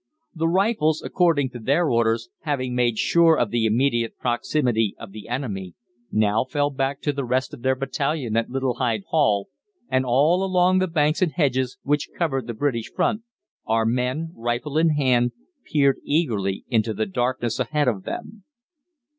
The Rifles, according to their orders, having made sure of the immediate proximity of the enemy, now fell back to the rest of their battalion at Little Hyde Hall, and all along the banks and hedges which covered the British front, our men, rifle in hand, peered eagerly into the darkness ahead of them.